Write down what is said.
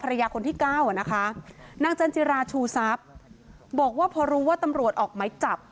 ภรรยาคนที่เก้าอะนะคะนางจันทรีราชูซับบอกว่าพอรู้ว่าตำรวจออกไหมจับ